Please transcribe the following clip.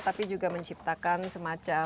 tapi juga menciptakan semacam